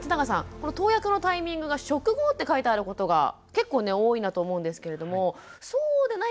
この投薬のタイミングが食後って書いてあることが結構ね多いなと思うんですけれどもそうでないといけないものなんですか？